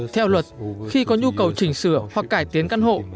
theo luật khi có nhu cầu chỉnh sửa hoặc cải tiến căn hộ